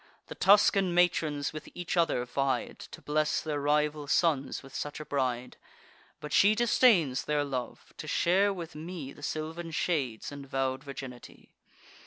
The Tuscan matrons with each other vied, To bless their rival sons with such a bride; But she disdains their love, to share with me The sylvan shades and vow'd virginity.